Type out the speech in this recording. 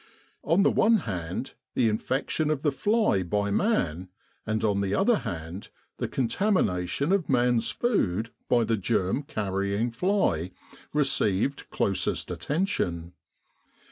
On the one hand, the infection of the fly by man, and on the other hand, the contamination of man's food by the germ carrying fly, received closest attention.